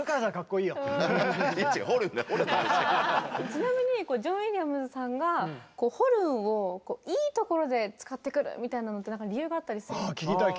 ちなみにジョン・ウィリアムズさんがホルンをいいところで使ってくるみたいなのって何か理由があったりするんですか？